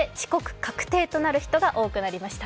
確定となる人が多くなりました。